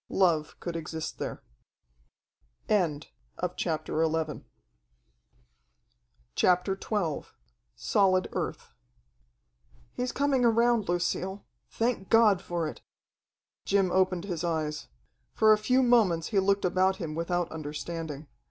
Love could exist there. CHAPTER XII Solid Earth "He's coming around, Lucille. Thank God for it!" Jim opened his eyes. For a few moments he looked about him without understanding.